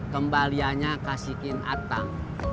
kembaliannya kasihin atang